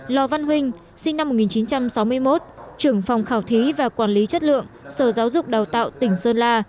lò văn huynh sinh năm một nghìn chín trăm sáu mươi một trưởng phòng khảo thí và quản lý chất lượng sở giáo dục đào tạo tỉnh sơn la